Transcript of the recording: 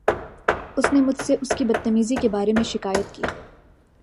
اُس نے مجھ سے اس کی بد تمیزی کے بارے میں شکایت کی۔